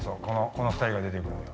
この２人が出てくんのよ。